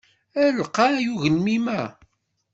Ay lqay ugelmim-a!